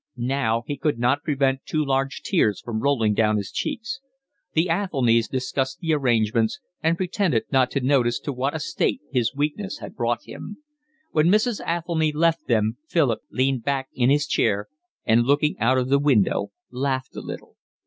Now he could not prevent two large tears from rolling down his cheeks. The Athelnys discussed the arrangements and pretended not to notice to what a state his weakness had brought him. When Mrs. Athelny left them Philip leaned back in his chair, and looking out of the window laughed a little.